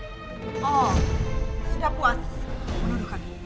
oh tidak puas menuduh kami